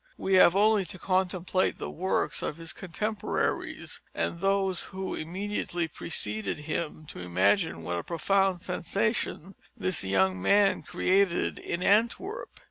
We have only to contemplate the works of his contemporaries, and those who immediately preceded him, to imagine what a profound sensation this young man created in Antwerp.